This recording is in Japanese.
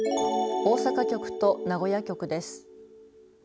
大阪局と名古屋局です。